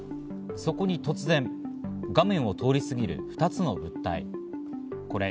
そこに突然、画面を通り過ぎる２つの物体が。